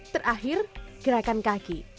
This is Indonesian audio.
terakhir gerakan kaki